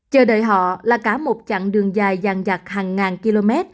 chờ đợi họ là cả một chặng đường dài dàn giặc hàng ngàn km